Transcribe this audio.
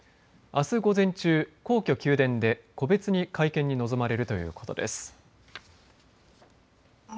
あす午前中、皇居・宮殿で個別に会見に臨まれるということです。